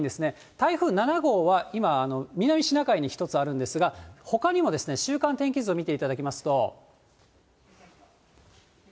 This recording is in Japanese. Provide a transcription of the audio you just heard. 台風７号は今、南シナ海に１つあるんですが、ほかにも週間天気図を見ていただきますと。